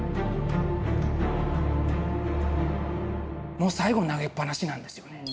もう最後投げっぱなしなんですよね。